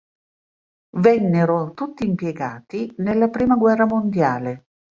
Vennero tutti impiegati nella prima guerra mondiale.